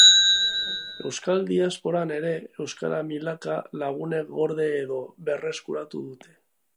Euskal diasporan ere, euskara milaka lagunek gorde edo berreskuratu dute